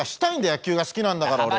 野球が好きなんだから俺は。